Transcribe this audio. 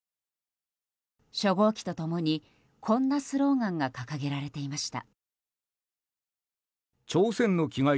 初号機と共にこんなスローガンが掲げられていました。